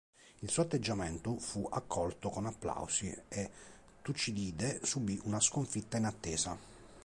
Il suo atteggiamento fu accolto con applausi, e Tucidide subì una sconfitta inattesa.